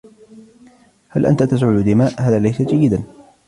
هل أنتَ تسعل دماء؟ هذا ليس جيداً.